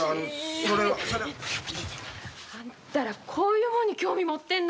それは。あんたらこういうもんに興味持ってんの？